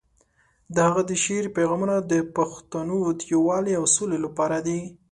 د هغه د شعر پیغامونه د پښتنو د یووالي او سولې لپاره دي.